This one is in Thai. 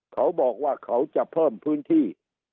เขาบอกว่าเขาจะเพิ่มพื้นที่